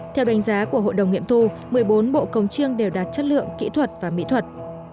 theo đánh giá của hội đồng nghiệm thu một mươi bốn bộ cồng chiêng đều đạt chất lượng kỹ thuật và mỹ thuật